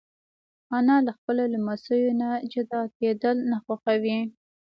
انا له خپلو لمسیو نه جدا کېدل نه خوښوي